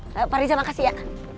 ntar aku beri dia makasih ya